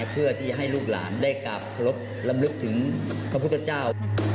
เพื่อที่ให้ลูกหลานได้กราบลำลึกถึงพระพุทธเจ้า